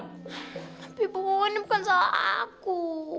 tapi bu ini bukan soal aku